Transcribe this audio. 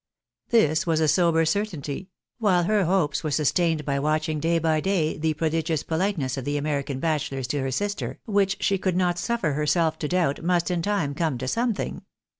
This was a sober certainty : while her hopes were sustained by watching day by day the prodigious politeness of the American bachelors to her sister, which she would not suffer herself to doubt, must, in time, come to something.